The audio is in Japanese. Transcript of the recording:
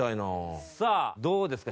さあどうですか？